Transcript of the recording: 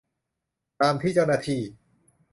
ตามที่เจ้าหน้าที่